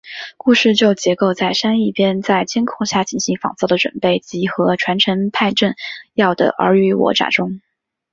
故事就建构在珊一边在监控下进行仿造的准备及和传承派政要的尔虞我诈中。